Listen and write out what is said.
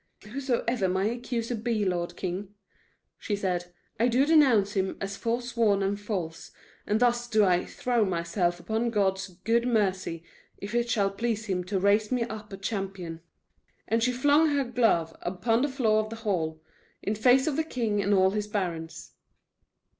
"Whosoever my accuser be, lord king," she said, "I do denounce him as foresworn and false, and thus do I throw myself upon God's good mercy, if it shall please him to raise me up a champion." And she flung her glove upon the floor of the hall, in face of the king and all his barons.